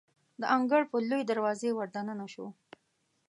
د انګړ په لویې دروازې وردننه شوو.